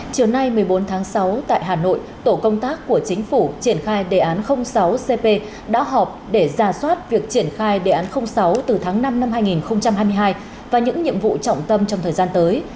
chiều nay một mươi bốn tháng sáu tại hà nội tổ công tác của chính phủ triển khai đề án sáu cp đã họp để ra soát việc triển khai đề án sáu từ tháng năm năm hai nghìn hai mươi hai và những nhiệm vụ trọng tâm trong thời gian tới